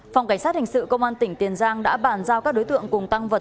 phòng cảnh sát hình sự công an tỉnh tiền giang đã bàn giao các đối tượng cùng tăng vật